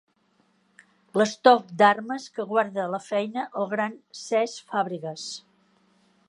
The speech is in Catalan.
L'estoc d'armes que guarda a la feina el gran Cesc Fàbregas.